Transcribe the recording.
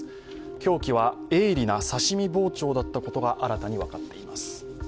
凶器は鋭利な刺身包丁だったことが新たに分かっています。